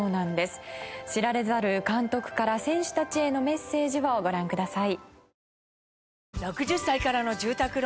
知られざる監督から選手たちへのメッセージをご覧ください。